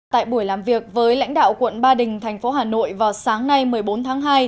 tại buổi làm việc với lãnh đạo quận ba đình thành phố hà nội vào sáng nay một mươi bốn tháng hai